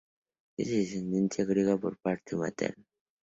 Es de ascendencia griega por parte materna.